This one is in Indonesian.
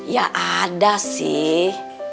ya ada sih